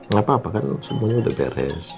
gapapa kan semuanya sudah beres